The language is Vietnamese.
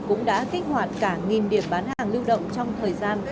cũng đã kích hoạt cả nghìn điểm bán hàng lưu động trong thời gian